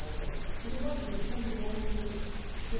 それでまず医者に問診して。